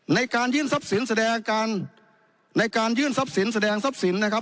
ในการยื่นทรัพย์สินแสดงอาการในการยื่นทรัพย์สินแสดงทรัพย์สินนะครับ